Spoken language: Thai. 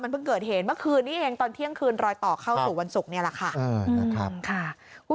เพิ่งเกิดเหตุเมื่อคืนนี้เองตอนเที่ยงคืนรอยต่อเข้าสู่วันศุกร์นี่แหละค่ะ